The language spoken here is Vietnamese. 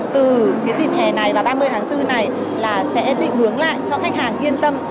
từ dịp hè này và ba mươi tháng bốn này là sẽ định hướng lại cho khách hàng yên tâm